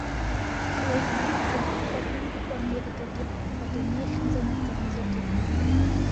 Клеи дуӡӡа пату иқәуп Америкагьы, адунеи ахьынӡанаӡааӡогьы.